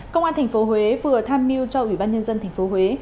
công an tp huế vừa tham mưu cho ủy ban nhân dân tp huế